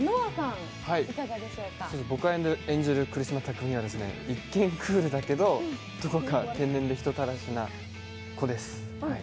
僕が演じる久留島巧は、一見クールだけど、どこか天然で人たらしな子です。